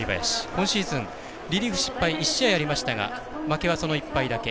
今シーズン、リリーフ失敗１試合ありましたが負けは、その１敗だけ。